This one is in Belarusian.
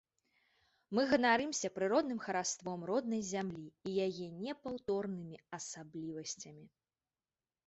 Мы ганарымся прыродным хараством роднай зямлі і яе непаўторнымі асаблівасцямі.